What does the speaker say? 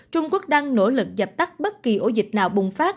trung quốc đang nỗ lực dập tắt bất kỳ ổ dịch nào bùng phát